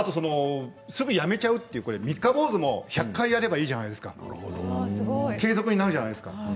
すぐにやめちゃう三日坊主も１００回やればいいじゃないですか継続になるじゃないですか。